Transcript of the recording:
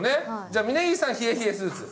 じゃあ峯岸さん冷え冷えスーツ。